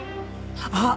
あっ！